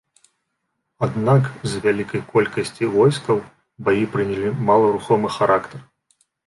Аднак з-за вялікай колькасці войскаў баі прынялі маларухомы характар.